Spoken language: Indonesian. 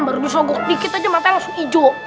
baru disogok dikit aja mata langsung ijo